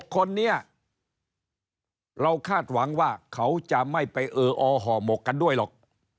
คนนี้เราคาดหวังว่าเขาจะไม่ไปเอออห่อหมกกันด้วยหรอก